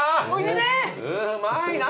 うまいな！